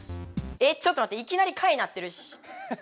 えっちょっとまっていきなり貝なってるし。